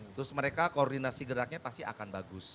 terus mereka koordinasi geraknya pasti akan bagus